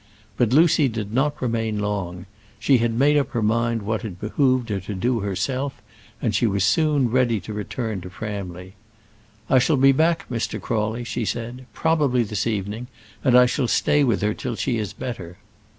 But Lucy did not remain long. She had made up her mind what it behoved her to do herself, and she was soon ready to return to Framley. "I shall be back again, Mr. Crawley," she said, "probably this evening, and I shall stay with her till she is better."